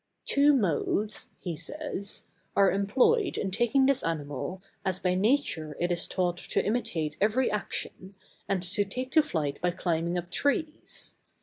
"Two modes," he says, "are employed in taking this animal, as by nature it is taught to imitate every action, and to take to flight by climbing up trees.